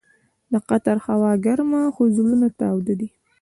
د قطر هوا ګرمه خو زړونه تاوده دي.